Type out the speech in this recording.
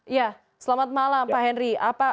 ya selamat malam pak henry